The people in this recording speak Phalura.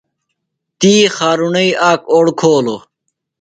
تی خارُݨئی آک اوڑ کھولوۡ۔